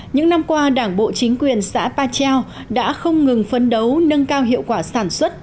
những năm qua đảng bộ chính quyền xã pa treo đã không ngừng phấn đấu nâng cao hiệu quả sản xuất